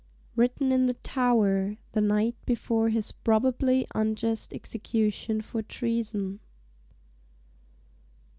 [Written in the Tower, the night before his probably unjust execution for treason.